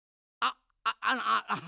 あっあっ。